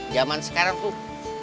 zaman sekarang tuh